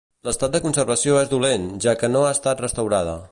L'estat de conservació és dolent, ja que no ha estat restaurada.